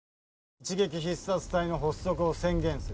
一撃必殺隊の発足を宣言する。